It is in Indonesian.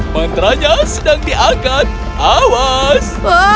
mantranya sedang diangkat awas